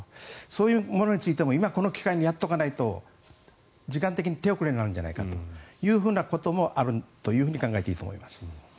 そういうものについても今、この機会にやっておかないと時間的に手遅れになるんじゃないかということもあると考えていいと思います。